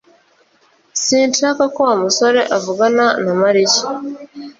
Sinshaka ko Wa musore avugana na Mariya